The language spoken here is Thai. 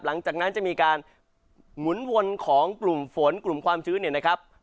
หลังจากนั้นจะมีการหมุนวนของกลุ่มฝนกลุ่มความชื้นเนี่ยนะครับ